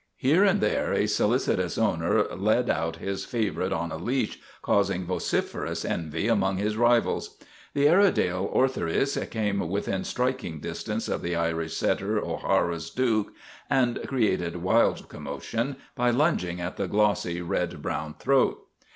Here and there a solicitous owner led out his favorite on a leash, causing vociferous envy among his rivals. The Airedale Ortheris came within strik ing distance of the Irish setter O'Hara's Duke, and created wild commotion by lunging at the glossy, red brown throat.